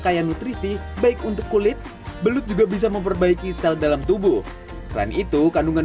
kaya nutrisi baik untuk kulit belut juga bisa memperbaiki sel dalam tubuh selain itu kandungan